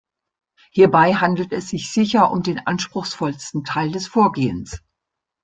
Hierbei handelt es sich sicher um den anspruchsvollsten Teil des Vorgehens.